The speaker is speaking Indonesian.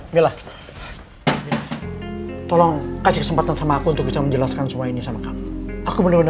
bila bila tolong kasih kesempatan sama aku untuk menjelaskan semua ini sama kamu aku bener bener